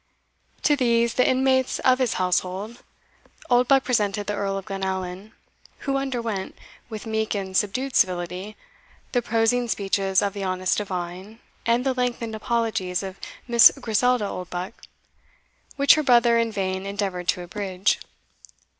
To these, the inmates of his household, Oldbuck presented the Earl of Glenallan, who underwent, with meek and subdued civility, the prosing speeches of the honest divine, and the lengthened apologies of Miss Griselda Oldbuck, which her brother in vain endeavoured to abridge.